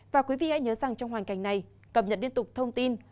và quý vị hãy nhớ rằng trong hoàn cảnh này cập nhật liên tục thông tin